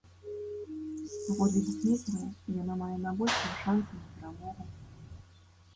Паводле букмекераў, яна мае найбольшыя шанцы на перамогу.